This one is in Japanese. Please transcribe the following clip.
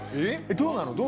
どうなの？